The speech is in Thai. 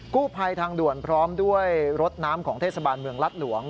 กู้ภัยทางด่วนพร้อมด้วยรถน้ำของเทศบาลเมืองรัฐหลวง